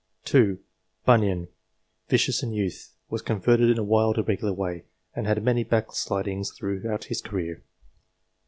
2. Bunyan ; vicious in youth, was converted in a wild, irregular way, and had many blackslidings throughout his career.